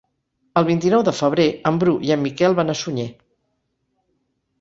El vint-i-nou de febrer en Bru i en Miquel van a Sunyer.